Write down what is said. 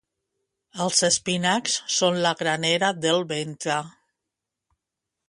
Els espinacs són la granera del ventre.